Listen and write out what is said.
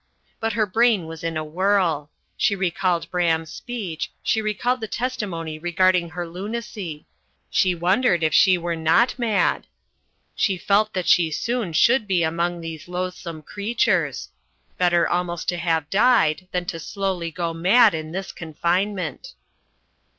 But her brain was in a whirl. She recalled Braham's speech, she recalled the testimony regarding her lunacy. She wondered if she were not mad; she felt that she soon should be among these loathsome creatures. Better almost to have died, than to slowly go mad in this confinement.